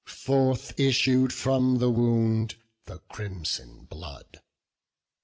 Forth issued from the wound the crimson blood.